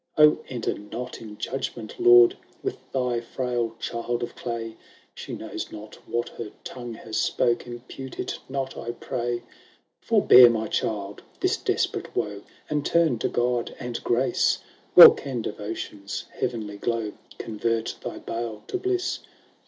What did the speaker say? XIX " O enter not in judgment, Lord, With thy frail child of clay ! She knows not what her tongue has spoke ; Impute it not, I pray !" Forbear, my child, this desperate woe, And turn to God and grace ; Well can devotion's heavenly glow Convert thy bale to bliss."